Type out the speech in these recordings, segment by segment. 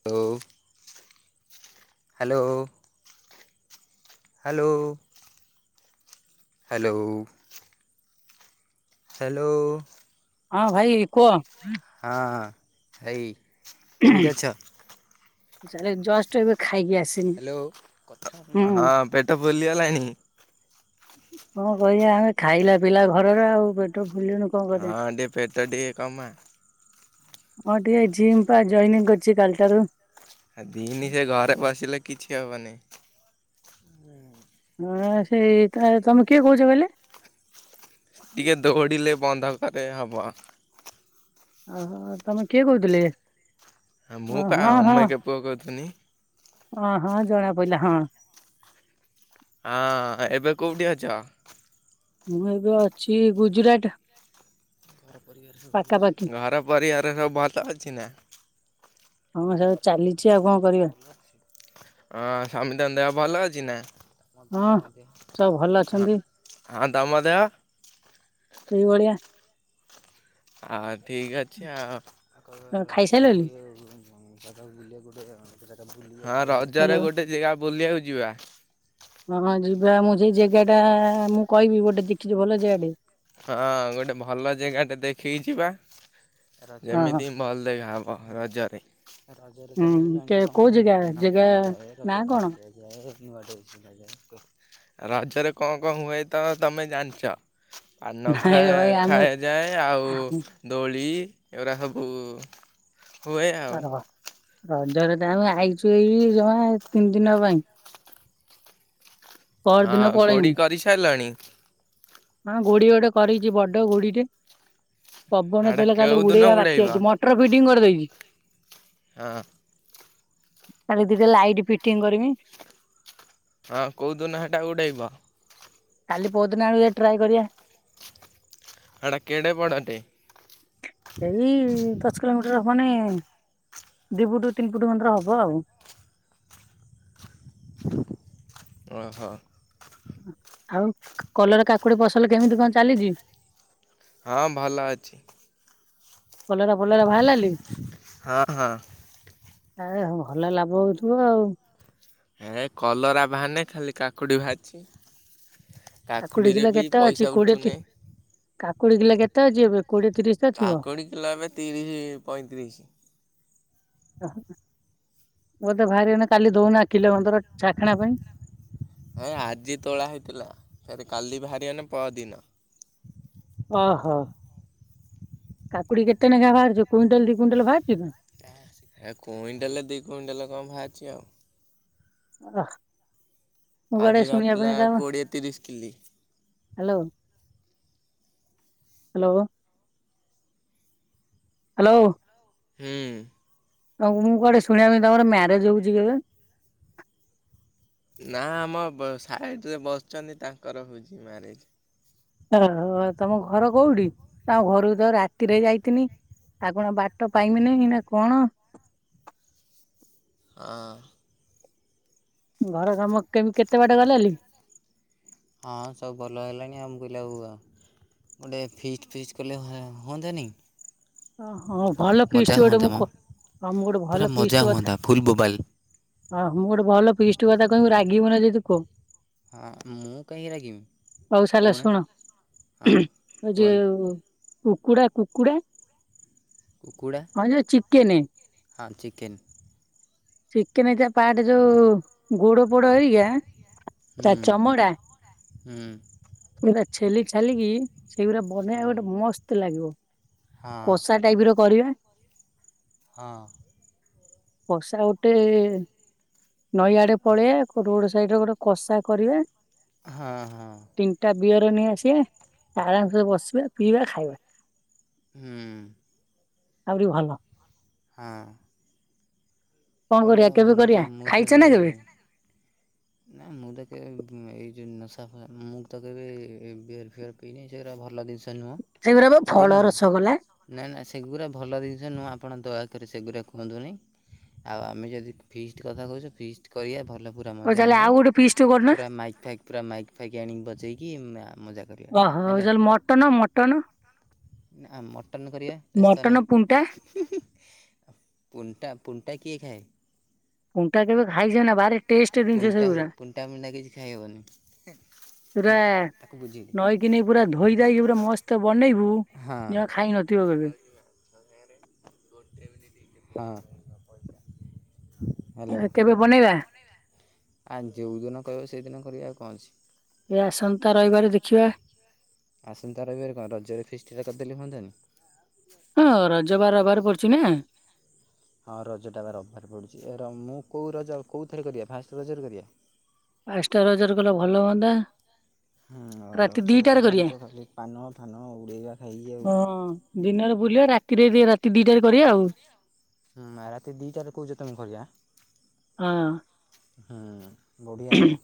[unintelligible] Hello. Hello hello. Hello. ହଁ ଭାଇ କୁହ। ହଁ ହେଇ। ତାହେଲେ ଜଷ୍ଟ୍ ଏବେ ଖାଇକି ଆସ୍ ହାଲୋ। କଣ କହିବା ଆମେ ଖାଇଲା ପିଇଲା ଘରର ଆଉ ପେ ପେଟ ଫୁଲିଗଲେ କଣ କରିବା। ହଁ ଟିକେ ପେଟ ଟିକେ କମା ହଁ ଟିକେ ଜିମ୍ ପା ଜଏନିଙ୍ଗ କରିଚି କାଲି ଠାରୁ। ଆ ଦିନି ସେ ଘରେ ବସିଲେ କିଛି ହବନି। ହଁ ସେଇ ତମେ କିଏ କହୁଚ କହିଲେ? ଟିକେ ଦୌଡ଼ିଲେ ବନ୍ଧ କରେ ହବ। ଓହୋ ତମେ କିଏ କହୁଥିଲେ? ଆ ଓ ମୁଁ ପା ଅମେକେ ପୁଅ କହୁଥିନି। ଅଁ ହଁ ଜଣା ପଇଲା ହଁ। ଅଁ ଏବେ କୋଉଠି ଅଛ? ମୁଁ ଏବେ ଅଛି ଗୁଜୁରାଟ୍। ଘର ପରିବାର ସବୁ ଭଲ ଅଛି ନା? ହଁ ସବୁ ଚାଲିଚି ଆଉ କଣ କରିବା। ଅଁ ସମିତି ଙ୍କ ଦେହ ଭଲ ଅଛି ନା? ହଁ ସବୁ ଭଲ ହଁ ଅଛନ୍ତି ହଁ ତମ ଦେହ? ଏଇ ଭଳିିଆ। ଆ ଠିକ୍ ଅଛି ଆଉ। ହଁ ତମେ ରଜରେ ଖାଇସାରିଲଣି ଗୋଟେ ଜାଗା ହ୍ୟାଲୋ। ବୁଲିବାକୁ ଯିବା। ହଁ ହଁ ଯିବା ମୁଁ ସେଇ ଜେଗା ଟା ମୁଁ କହିବି ଗୋଟେ ଦେଖଛିି ଭଲ ଜାଗା ଟେ। ହଁ ଗୋଟେ ଭଲ ଜେଗା ଟେ ଦେଖିକି ଯିବା। ହଁ ଯେମିତି ଭଲ ଦେଖାହବ ରଜରେ। [inaudible] ରଜରେ କଣ କଣ ହୁଁ କେ କୋଉ ଜାଗା ଜାଗା ନା କଣ? ହୁଏ ତ ତମେ ଜାଣିଛ? ପାନ ଖୁଆ ନାଇଁ ଭାଇ ଆମେ ଖୁଆଯାଏ ଆଉ ଆମେ ଦୋଳି ଏଗୁରା ସବୁ ଉଁ ହ ରଜରେ ତ ଆମେ ଆଇଛୁ ଏଇ ଜମା ତିନି ଦିନ ପାଇଁ। ପର ଦିନ ହଁ କୋଡି ପଳେଇମୁ। କରି ସାରିଲାଣି? ହଁ ଗୁଡି ଗୋଟେ କରିଛି ବଡ ଗୁଡି ଟେ। ହାଡା ପବନଦେଲେ କାଲେ କେଉଦିନ ଉଡେଇବା ବାକି ଉଡେଇବ ଅଛି, ମଟର ଫିଡିଙ୍ଗ୍ କରିଦେଇଛି। ହଁ। କାଲି ଦିଟା ଲାଇଟ୍ ଫିଟିଙ୍ଗ୍ କରିବି। ହଁ କୋଉଁ ଦୁନ ହେଟା ଉଡେଇବ? କାଲି ପଦିନ ଆଡୁ କୁ ଟ୍ରାଏ କରିବା। ହେଡା କେଡେ ବଡଟେ? ଏଇ ଦଶ କିଲୋମିଟର୍ ହବନି ଦି ଫୁଟ୍ ତିନି ଫୁଟ୍ ଭିତରେ ହବ ଆଉ। ଓହ। ଆଉ କଲରା କାକୁଡି ଫସଲ କେମିତି କଣ ଚାଲିଛି? ହଁ ଭଲ ଅଛି। କଲରା ଫଲରା ବାହାରିଲାନି? ହଁ ହଁ ଆରେ ଭଲ ଲାଭ ହଉଥୁବ ଆଉ। ହେ କଲରା ବାହାନି ଖାଲି କାକୁଡି ବାହାରିଛି। କାକୁଡି କାକୁଡିରେ କିଲୋ ବି କେତେ ଅଛି ପଇସା କୋଡିଏ ତି ଉଠୁନି। କାକୁଡି କିଲ କେତେ ଅଛି ଏବେ କୋଡିଏ ତିରିଶ୍? କାକୁଡି କିଲ ଏବେ ତିରିଶ୍ ପଇଁତିରିଶ୍। ବୋଧେ ଭାରିବ ନା କାଲି ଦଉନା କିଲେ କନ୍ତର ଚାଖନା ପାଇଁ। ହେ ଆଜି ତୋଳା ହେଇଥିଲା, ଫେରେ କାଲି ବାହାରିବନି ପଅଦିନ। ଓହ। କାକୁଡି କେତେ ନେଖା ବାହାରୁଛି କୁଇଣ୍ଟାଲ୍ ଦି କୁଇଣ୍ଟାଲ୍ ବାହାରୁଛିି? କୁଇଣ୍ଟାଲେ ଦି କୁଇଣ୍ଟାଲେ କଣ ବାହାଛି ଆଉ। ଅ ଆଜି ବାହାରିଥିଲା କୋଡ଼ିଏ ତିରିଶ୍ କିଲି। Hello hello. ହାଲୋ। ହୁଁ। ଆଉ ମୁଁ କୁଆଡେ ଶୁଣିଲା ତମର ମ୍ୟାରେଜ୍ ହଉଛି କେବେ? ନାଁ ଆମ ସାଇଟ୍ ରେ ବସିଛନ୍ତି ତାଙ୍କର ହୋଉଛି ମ୍ୟାରେଜ୍। ଓହୋ ତମ ଘର କୋଉଠି ତମ ଘରକୁ ତ ରାତିରେ ଯାଇଥିନି। ଆପଣ ବାଟ ପାଇମିନି ନା କଣ? ଅର୍। ଘର କାମ କେତେ କେତେ ବାଟ ଗଲାଲି? ହଁ ସବୁ ଭଲ ହେଲାଣି [unintelligible] ଗୋଟେ ଫିଷ୍ଟ୍ ଫିଷ୍ଟ୍ କଲେ ହୁଅନ୍ତାନି? ଓ ହଁ ଭଲ ମଜା ପିିଷ୍ଟ୍ ଗୋଟେ ହୁଅନ୍ତା ମୁଁ ମ -ମୁଁ ଗୋଟେ ପୁରା ଭଲ ମଜା ପିଷ୍ଟ କଥା ହୁଅନ୍ତା ଫୁଲ୍ ବୋବାଲ। ହଁ ମୁଁ ଗୋଟେ ଭଲ ପିଷ୍ଟ୍ କଥା କହିବି ରାଗିବୁ ନାଁ ଯଦି କଁ ହଁ ମୁଁ କାହିଁକି ରାଗିମି କହୁନା। ହଁ ଆଉ କୁହନ୍ତୁ ଯେଉଁ କୁକୁଡା, କୁକୁଡା। କୁକୁଡ଼ା। ଭାଉଜ ଚିକେନେ। ହଁ ଚିକେନ୍। ଠିକ। ଚିକେନ ହେଇଥିବା ପାଟ ଯୋଉ ଗୋଡ ପୋଡ ହେରିକା ହୁଁ ତା ଚମଡା ହୁଁ। ପୁରା ଛେଲି ଛାଲିକି ସେଇଗୁରା ଆମ ବନେଇଆ ଗୋଟେ ଭାଇ ମସ୍ତ ଲାଗିବ। ହଁ କଷା ଟାଇପର କରିବା। ହଁ। କଷା ଗୋଟେ ନଈଆଡେ ପଳେଆ କୋଉଠି ଗୋଟେ ସେଇଠି ଗୋଟେ କଷା କରିବା। ହଁ ହଁ। ତିନିଟା ବିୟର ନେଇ ଆସିଆ ଆରାମସେ ବସିବା ପିଇବା ଖାଇବା। ହୁଁ। ଆଉରି ଭଲ। ହଁ। କଣ କରିବା କରିଆ କେବେ ମୁଁ ତ କରିଆ ମୁଁ ତ ଖାଇଚ ସେ ନା କେବେ? ନା ମୁଁ ତ କେବେ ଏଇ ଯୋଉ ନଶା ଫଶା ମୁଁ ତ କେବେ ଏ ବିଅର ଫିଅର ପିଇନି ସେଗୁରା ଭଲ ଜିନଷ ସେଗୁରା ବା ଫଳ ରସ ବାଲା। ନା ନା ସେଗୁରା ଭଲ ଜିନଷ ନୁହଁ। ଆପଣ ଦୟାକରି ସେଗୁରା କୁହନ୍ତୁନି। ଆଉ ଆମେ ଯଦି ଫିଷ୍ଟ କଥା କହୁଛ ଫିଷ୍ଟ କରିଆ ଭଲ ପୁରା ହଉ ମଜା ତାହେଲେ ହବ ଆଉ ଗୋଟେ ପିସ୍ ଟେ କରୁନା ପୁରା ମାଇକ୍ ଫାଇକ୍ ପୁରା ମାଇକ୍ ଫାଇକ୍ ଆଣିକି ବଜେଇକି ମଜା କରିଆ ଓହୋ ହଉ ହେଲା। ତାହେଲେ ମଟନ ମଟନ। ନା ମଟନ୍ କରିଆ ବ୍ୟସ୍ତ ମଟନ ପୁଣ୍ଟା ନାହିଁ। ପୁଣ୍ଟା ପୁଣ୍ଟା କିଏ ଖାଏ? ପୁଣ୍ଟା କେବେ ଖାଇଛ ନା ଭାରି ଟେଷ୍ଟ ଜିନିଷ ପୁଣ୍ଟା ସେଗୁରା ପୁଣ୍ଟା ମୁଣ୍ଟା କିଛି ଖାଇହବନି। ପୁ ତାକୁ ବୁଝେଇଦେ। କି ନେଇ ପୁରା ଧୋଇ ଧାଇକି ପୁରା ମସ୍ତ ବନେଇବୁ ହଁ ଜମା ଖାଇ ନଥିବ କେବେ। ହଁ। ହ୍ୟାଲୋ ଆ କେବେ ବନେଇବା? ଆ ଯୋଉଦିନ କଇବ ସେଇଦିନ କରିଆ ଆଉ କଣ ଅଛି। ଏ ଆସନ୍ତା ରଇବାରେ ଦେଖିବା। ଆସନ୍ତା ରଇବାରେ କଣ ରଜରେ ଫିଷ୍ଟଟା କରିଦେଲେ ହୁଅନ୍ତାନି। ହଁ ରଜବା ରବାରେ ପଡିଚି ନା? ହଁ ରଜଟା ବା ରବାରେ ପଡ଼ୁଛି ଏ ର ମୁଁ କୋଉ ରଜ କୋଉଥିରେ କରିଆ ଫାଷ୍ଟ ରଜରେ କରିଆ? ଫାଷ୍ଟ ରଜରେ କଲେ ଭଲ ହୁଅନ୍ତା। ହୁଁ ରାତି ରଜରେ ତ ଦିଟାରେ କରିଆ ଜାଣିଛ ଖାଲି ପାନ ଫାନ ଉଡ଼େଇବା ଖାଇକି ଆଉ। ହଁ ଦିନରେ ବୁଲିଆ ରା ତିରେରେ ରାତି ଦିଟାରେ କରିଆ ଆଉ। ହୁଁ ରାତି ଦିଟାରେ କଉଚ ତମେ କରିଆ? ହଁ। ହୁଁ ବଢ଼ିଆ ହବ।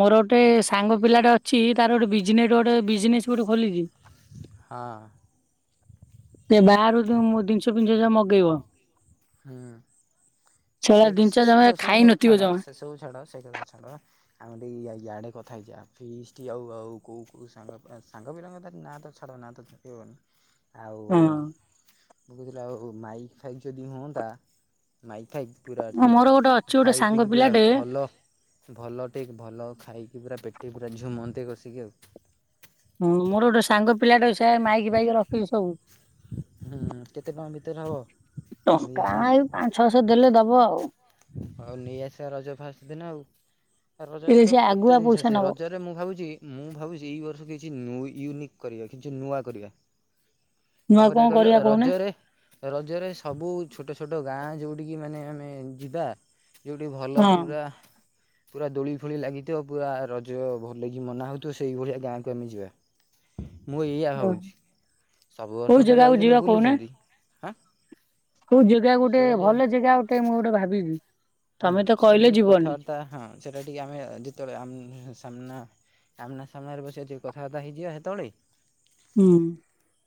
ମୋର ଗୋଟେ ସାଙ୍ଗ ପିଲାଟେ ଅଛି ତାର ଗୋଟେ ବିଜନେଟ୍ ଗୋଟେ ବିଜନେସ ଗୋଟେ ଖୋଲିଛି ହଁ। ସେ ବାରୁ [unintelligible] ଜିନଷ ଫିନଶ ସବୁ ମଗେଇବ। ହୁଁ ଆ ସେ ସେଗୁଡା ସେ ଜିନିଷ ସବୁ ଜମା ସେ ସବୁ ଖାଇ ସବୁ ନଥିବ ଛାଡ ଜମା। ସେ ସବୁ ଛାଡ ସେ କଥା ଛାଡ। ଆମେ ଟିକେ ଆଉ ୟାଡେ କଥା ହେଇଯିବା ଫିଷ୍ଟି ଆଉ ଆଉ କୋଉ କୋଉ ସାଙ୍ଗ ସାଙ୍ଗ ବିରଙ୍ଗ ନା ତ ଛାଡ଼ ନା ତ କହି ହବନି। ଆଉ ମୁଁ କହୁଥିଲି ଆଉ ମାଇକ୍ ଫାଇକ୍ ଯଦି ହୁଅନ୍ତା ମାଇକ୍ ଫାଇକ୍। ପୁରାି ହଁ ମୋର ଗୋଟେ ଟିକିଏ ଅଛି ଗୋଟେ ଖାଇ ସାଙ୍ଗ ପିଇକି ପୁରା ପିଲାଟେ ଭଲ ଭଲ ଠିକ୍ ଭଲ ଖାଇକି ପୁରା ପେଟେ ପୁରା ଝୁମନ୍ତେ କସିକି ଆଉ। ହୁଁ ମୋର ଗୋଟେ ସାଙ୍ଗ ପିଲାଟେ ସେ ମାଇକି ଫାଇକ୍ ରଖିଛିି ସବୁ। ହୁଁ କେତେ ଟଙ୍କା ଭିତରେ ହବ ଟଙ୍କା ନେଇ ଏଇ ଆସନ୍ତେ? ପାଞ୍ଚ ଛଅଶହ ଦେଲେ ଦବ ଆଉ। ହଉ ନେଇଆସିବା ରଜ ଫାଷ୍ଟେ ଦିନ ଆଉ ରଜରେ ହେଲେ ତ ସେ କେତେ ଆଗୁଆ ଜିନିଷ ପଇସା ଆସିଵ ନବ। ରଜ ରେ ମୁଁ ଭାବୁଚି ମୁଁ ଭାବୁଚି ଏଇ ବର୍ଷ କିଛି ୟୁନିକ୍ କରିବା କିଛି ନୂଆ କରିବା। ମୁଁ କଣ ଆଉ କରିବା କହିଲ କହୁନା ରଜରେ? ରଜରେ ସବୁ ଛୋଟ ଛୋଟ ଗାଁ ଯୋଉଠି କିି ମାନେ ଆମେ ଯିବା। ଯଉଠି ଭଲ ପୁରା ହଁ ପୁରା ଦୋଳି ଫୋଳି ଲାଗିଥିବ ପୁରା ରଜ ଭଲକି ମନା ହଉଥିବ ସେଇଭଳିଆ ଗାଁକୁ ଆମେ ଯିବା। ମୁଁ ଏଇଆ ଭାବୁଚି ସବୁ କୋଉ ବର୍ଷ ତ ଜାଗାକୁ ଯାଉଚନ୍ତି ଯିବା କହୁନା? ବୁଲୁଚନ୍ତି ହାଁ। କୋଉ ଜାଗା ଗୋଟେ ସେଇଟା ଟିକେ ଭଲ ଜାଗା ଗୋଟେ ମୁଁ ଗୋଟେ ଭାବିବି ତମେ ତ କହିଲେ ଯିବନି। ତା ହଁ ସେଟା ଟିକେ ଆମେ ଯେତୋଳେ ସାମ୍ନା। ସାମ୍ନା ସାମ୍ନାରେ ବସିବା ଯୋଉ କଥାବାର୍ତ ହେଇଯିବା ସେତୋବୋଳେ। ହୁଁ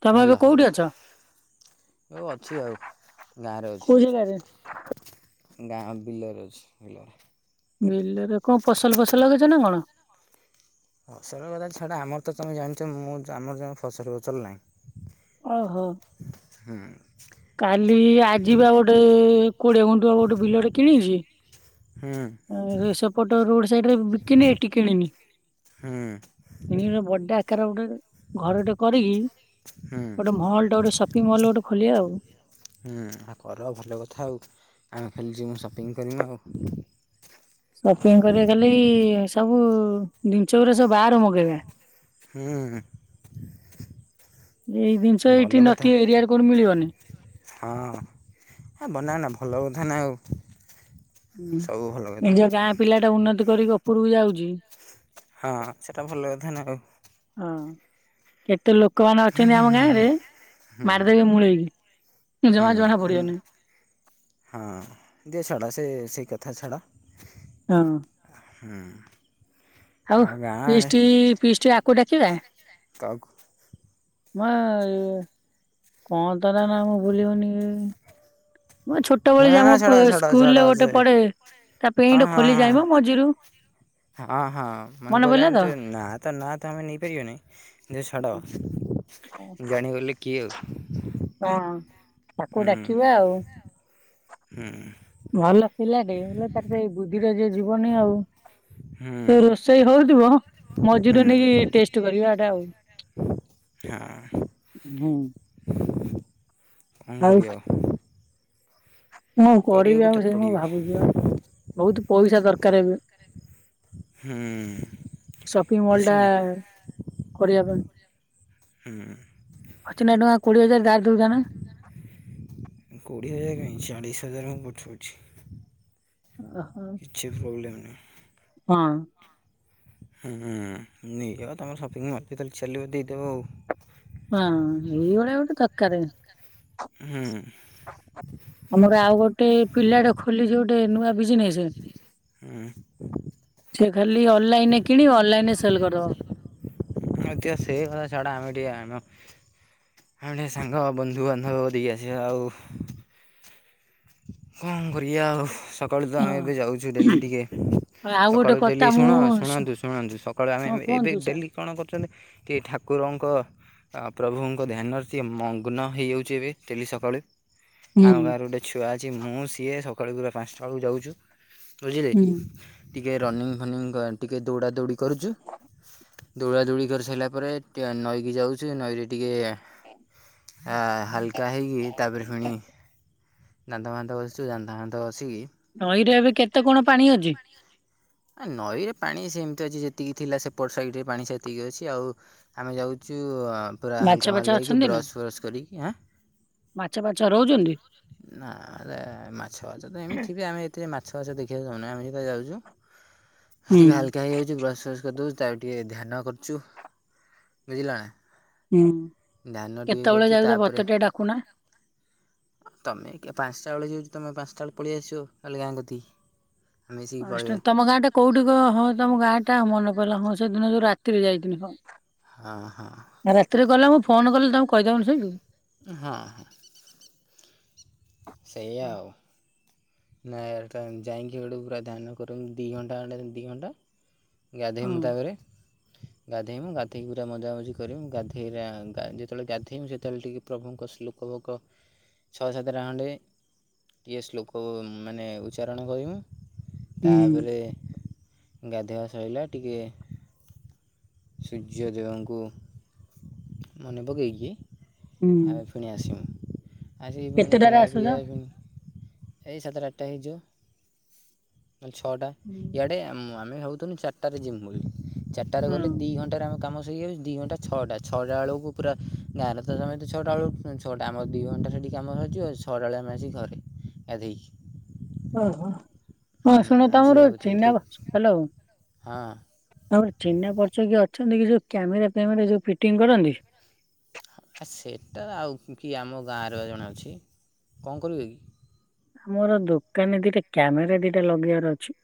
ତମେ ଏବେ ହବ କୋଉଠି ଅଛ? ଅଛି ଆଉ ଗାଁରେ କୋଉ ଜାଗାରେ ଅଛି। ଗାଁ ବିଲରେ ଅଛି ବିଲରେ। ବିଲରେ କଣ ଫସଲ ଫସଲ ଲଗେଇଚ ନା କଣ? ଫସଲ କଥା ଛାଡା ଆମର ତମେ ଜାଣିଚ ମୁଁ ଯା ଆମର ଯା ଫସଲ ଫସଲ ନାହିଁ। ଓହୋ। ହୁଁ। କାଲି ଆଜିିପା ଗୋଟେ କୋଡିଏ ଘୁଣ୍ଠୁ ହବ ଗୋଟେ ବିଲଟେ କିଣିଚି। ହୁଁ। ଆ ରେ ସେପଟ ରୋଡ ସାଇଟ୍ ରେ ବିକିନି ଏଠି କିଣିନି। ହୁଁ। କିଣିକିନା ବଡ ଆକାର ଗୋଟେ ଘରଟେ କରିକି ହୁଁ ଗୋଟେ ମହଲ ଟେ ଗୋଟେ ସପିଙ୍ଗି ମହଲ ଗୋଟେ ଖୋଲିବା ଆଉ। ହୁଁ ଆଉ କର ଭଲ କଥା ଆଉ ଆମେ ଖାଲିଯିମୁ ସପିଙ୍ଗି କରିମୁ ଆଉ। ସପିଙ୍ଗ୍ କରିବା କାଲି ସବୁ ଜିନିଷ ଗୁରା ସବୁ ବାହରୁ ମଗେଇବା। ହୁଁ ହୁଁ। ଏଇ ଜିନିଷ ଭଲ ଏଇଠି କଥା ନଥିବ ଏରିଆରେ କୋଉଠି ମିଳିବନେହିଁ। ହଁ ବନାନା ଭଲ କଥା ନା ଆଉ। ହୁଁ ସବୁ ଭଲ କଥା ନିଜ ଗାଁ ପିଲାଟା ଉନ୍ନତି କରିକି ଉପରକୁ ଯାଉଚି। ହଁ ସେଟା ଭଲ କଥା ନା ଆଉ। ହଁ କେତେ ଲୋକମାନେ ଅଛନ୍ତି ଆମ ଗାଁ ରେ ମାାରିଦେବେ ମୁୂଳେଇକି। ହୁଁ ହୁଁ। ହଁ ଦିଅ ଛାଡ ସେ ସେଇ କଥା ଛାଡ। ହୁଁ। ହୁଁ। ହଉ ଫିଷ୍ଟି ଫିଷ୍ଟି ଆକୁ ଡାକିବା? କହାକୁ? ମା ଇଅ। କଣ ତା ନା ନା ମୁଁ ଭୁଲିଗନି। ମ ନା ଛୋଟବେଳେ ଯାଉ ମୋ ନା ଛାଡ଼ ପ ଛାଡ଼ ଛାଡ଼ ସ୍କୁଲରେ ଗୋଟେ ସେ ପଢେ ତା ହଁ ପେଣ୍ଟ ହଁ ଖୋଲି ହଁ। ଯାଇମୁ ମଝିରୁ। ହଁ ହଁ ମନେ ମନେପଡ଼ିଲା ପଡିଲା ତ? ଏମିତି ନା ତ ନା ତ ଆମେ ନେଇପାରିବାନି ଦିଅ ଛାଡ। ଜାଣିଗଲି କିଅ। ହଁ ତାକୁ ଡାକିବା ଆଉ। ହୁଁ। ଭଲ ପିଲାଟେ ହେଲେ ତାର ସେଇ ବୁଦ୍ଧିଟା ଯେ ଯିବନି ଆଉ ହୁଁ ସେ ରୋଷେଇ ହଉ ଯିବ ହୁଁ ମଝିରୁ ନେଇକି ଟେଷ ଟ କରିବା ଟା ଆଉ ହଁ। ହୁଁ। କଣ ଆଉ କରିବା? କଣ କରିବି କରିବାକୁ ତ ଆଉ ସେଇ ମୁଁ ପଡ଼ିବ ଭାବୁଛି ବା ବହୁତ ପଇସା ଦରକାର ଏବେ। ହୁଁ ସପିଙ୍ଗ ମଲ କିଛି ଟା। ନାହିଁ କରିବା ପା ହୁଁ। ଅଛି ନା ଟଙ୍କା କୋଡିଏ ହଜାର ଧାର ଦଉଥା ନା। କୋଡ଼ିଏ ହଜାର କାଇଁ ଚାଳିଶ ହଜାର ମୁଁ ପଠଉଛି। ଓହୋ କିଛି ପ୍ରୋବ୍ଲେମ୍ ନାହିଁ ହଁ। ହୁଁ ହୁଁ ନେଇଗଲ ତମର ସପିଙ୍ଗ ମଲ ଯେତେବେଳେ ଚାଲିବ ଦେଇଦବ ଆଉ। ହଁ ଏଇଭଳିଆ ଗୋଟେ ଦରକାରେ। ଉଁ ହୁଁ। ଆମର ଆଉ ଗୋଟେ ପିଲାଟା ଖୋଲିଛି ଗୋଟେ ନୂଆ ବିଜନେସେ। ହୁଁ। ସେ ଖାଲି ଅନଲାଇନରେ କିଣିବ ଅନଲାଇନରେ ସେଲ କରିଦବ। [unintelligible] ସେ କଥା ଛଡା ଆମେ ଟିକେ ଆମ। ଆମେ ସାଙ୍ଗ, ବନ୍ଧୁବାନ୍ଧବ ଦେଇ ଆସିଆ ଆଉ। କଣ କରିଆ ଆଉ ସକାଳୁ ତ ଆମେ ହଁ ଏବେ ଯାଉଚୁ ଡେଲି ଟିକେ। ଆଉ ଗୋଟେ ସକାଳୁ କଥା ଡେଲି ଶୁଣ ମୁଁ ଶୁ- ଶୁଣନ୍ତୁ ଶୁଣନ୍ତୁ ସକାଳୁ ଆମେ ହଁ ଏବେ ଏବେ କୁହନ୍ତୁ ସାର୍ ଡେଲି। କଣ କରୁଚନ୍ତି? କିଏ ଠାକୁରଙ୍କ। ଆ ପ୍ରଭୁଙ୍କ ଧ୍ୟାନରେ ସିଏ ମଗ୍ନ ହେଇଯାଉଛି ଏବେ ଡେଲି ସକାଳେ। ହୁଁ ଆମ ଗାଁରେ ଗୋଟେ ଛୁଆ ଅଛି ମୁଁ ସିଏ ସକାଳୁ ପୁରା ପାଞ୍ଚଟା ବେଳୁ ଯାଉଚୁ। ବୁଝିଲେ ହୁଁ ଟିକେ ରନିଙ୍ଗ ଫନିଙ୍ଗ ଗା ଟିକେ ଦୌଡ଼ା ଦୌଡ଼ି କରୁଚୁ। ଦୌଡା ଦୌଡି କରିସାରିଲା ପରେ ଟିକେ ନଈକି ଯାଉଚୁ। ନଈରେ ଟିକେ। ଆ ହାଲକା ହେଇକି ତାପରେ ପୁଣି। ଦାନ୍ତ ଫାନ୍ତ ଘସୁଚୁ ଦାନ୍ତ ଫାନ୍ତ ଘସିକି। ନଈରେ ଏବେ କେତେ କଣ ପାଣି ଅଛି? ଆ ନଈରେ ପାଣି ସେମିତି ଅଛି ଯେତିକି ଥିଲା ସେପଟ ସାଇଡ଼ରେ ପାଣି ସେତିକି ଅଛି ଆଉ। ଆମେ ଯାଉଚୁ ଆ ପୁରା ମାଛ ହାଲକା ଫାଛ ମାଲକା ହେଇକି ଅଛନ୍ତି ନା ବ୍ରସ୍ ଫ୍ରସ୍ କରିକି। ହାଁ? ମାଛ ଫାଛ ରହୁଛନ୍ତି? ନାରେ ମାଛ ଫାଛ ତ ଏମିତି ବି ଆମେ ଏଥିରେ ମାଛ ଫାଛ ଦେଖିବାକୁ ଯାଉନୁ ଆମେ ସିଧା ଯାଉଚୁ। ହୁଁ ଟିକେ ହାଲକା ହେଇଯାଉଚି ବ୍ରସ୍ ଫ୍ରସ୍ କରିଦଉଚୁ ତାପରେ ଟିକେ ଧ୍ୟାନ କରୁଚୁ। ବୁଝିଲା। ହୁଁ ଧ୍ୟାନ ଟିକେ କେତେବେଳେ କରୁଚୁ। ଯାଉଛ ତାପରେ। ମତେ ଟିକେ ଡାକୁନା? ତମେ କେ ପାଂସ ଟା ବେଳେ ଯଦି ତମେ ପାଂସ ଟା ବେଳେ ପଳେଇଆସିବ କାଲି ଗାଁ କତିକି। ଉଁ ମିସିକି ପାଞ୍ଚଟା- ପଳେଇଆ। ତମ ଗାଁ ଟା କୋଉଠି କହିବ ହଁ ତମ ଗାଁ ଟା ମନେ ପଡିଲା ହଁ ସେଦିନ ଯୋଉ ରାତିରେ ଯାଇଥିନି ହଁ। ହଁ ହଁ। ରାତିରେ ଗଲେ ମୁଁ ଫୋନ୍ କଲେ ତମେ କହିଦବନି ସେଇଠୁ। ହଁ। ସେଇଆ ହଁ ଆଉ। ନାଇଁ, ଯାଇକି ହେଠୁ ପୁରା ଧ୍ୟାନ କରୁଛନ୍ତୀ ଦି ଘଣ୍ଟା ଖଣ୍ଡେ ଦି ଘଣ୍ଟା। ଗାଧେଇ ହଁ। ମୁଁ ତାପରେ। ଗାଧେଇମୁ ଗାଧଇକି ପୁରା ମଜାମଜି କରିମୁ ଗାଧେଇରା ଯେତେବେଳେ ଗାଧେଇମୁ ସେତେବେଳେ ଟିକେ ପ୍ରଭୁଙ୍କ ଶୋଲ୍କ୍ [inaudible] ଛଅ ସାତଟା ଖଣ୍ଡେ ଇଏ ଶ୍ଲୋକ୍। ଉ ମାନେ ଉଚ୍ଚାରଣ କରିବେ। ହୁଁ। ତାପରେ ଗାଧେଇବା ସଇଲା ଟିକେ ସୂର୍ଯ୍ୟ ଦେବଙ୍କୁ ମନେ ପକେଇକି ହୁଁ ଆମେ ପୁଣି ଆସିମୁ, ଆସିକି ପୁଣି କେତେଟାରେ ଖାଇଆ ଆସୁଛ? ପିଇଆ ପୁ ଏଇ ସାତଟା ଆଠଟା ହେଇଯିବ। ନହେଲେ ଛଅଟା ଇଆଡ଼େ ଆମେ ଭାବୁଥିଲୁ ଚାରିଟାରେ ଯିମୁ ବୋଲି ଚାରିଟାରେ ଗଲେ ହଁ। ଦିଇ ଘଣ୍ଟାରେ ଆମେ କାମ ସରିଯଉ ଦି ଘଣ୍ଟା ଛଅଟା ଛଅଟା ବେଳକୁ ପୁରା ଗାଁରେ ତ ସମସ୍ତେ ଛଅଟା ବେଳକୁ ଛଅଟା ଆମର ଦୁଇ ଘଣ୍ଟା ସେଠି କାମ ସରିଯିବ ଛଅଟାବେଳେ ଆସିକି ଘରେ ଗାଧେଇକି। ଓହୋ ହଁ ଶୁଣ ସେଇଆ ତମର ଭାବୁଥିଲୁ ଚିନା ଟିକେ ହାଲୋ। ହଁ। ତମର ଚିହ୍ନାପରିଚ କିଏ ଅଛନ୍ତି କି? ଯୋଉ କ୍ୟାମେରା ଫେମେରା ଯୋଉ ଫିଟିଙ୍ଗ୍ କରନ୍ତି? ଆ ସେଇଟା ଆଉ କି ଆମ ଗାଁରେ ବା ଜଣେ ଅଛି। କଣ କରିବେ କି? ମୋର ଦୋକାନ ଦିଟା କ୍ୟାମେରା ଦିଟା ଲଗେଇଆର ଅଛି।